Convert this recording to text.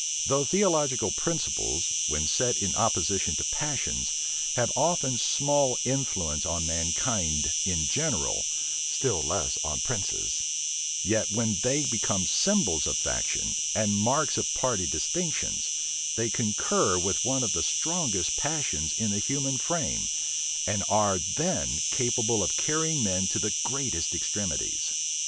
Though theological principles, when set in opposition to passions, have often small influence on mankind in general, still less on princes, yet when they become symbols of faction, and marks of party distinctions, they concur with one of the strongest passions in the human frame, and are then capable of carrying men to the greatest extremities.